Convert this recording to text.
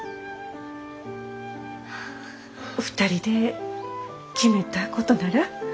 ２人で決めたことならうち